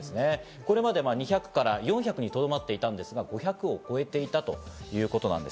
これまで２００から４００にとどまっていたんですが、５００を超えていたということなんです。